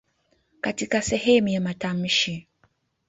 Katika sehemu ya matamshi.